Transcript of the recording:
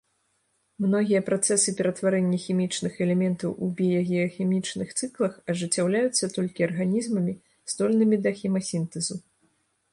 Многія працэсы ператварэння хімічных элементаў у біягеахімічных цыклах ажыццяўляюцца толькі арганізмамі, здольнымі да хемасінтэзу.